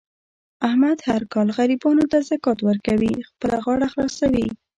احمد هر کال غریبانو ته زکات ورکوي. خپله غاړه خلاصوي.